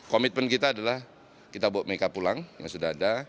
komitmen kita adalah kita bawa mereka pulang yang sudah ada